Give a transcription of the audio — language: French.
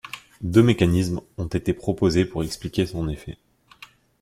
Deux mécanismes ont été proposés pour expliquer son effet.